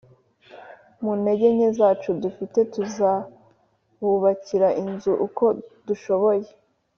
Muntege nke zacu dufite tuzabubakira inzu uko dushoboye